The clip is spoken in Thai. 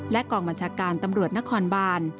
กองบัญชาการตำรวจนครบาน